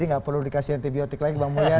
jadi nggak perlu dikasih antibiotik lagi bang mulya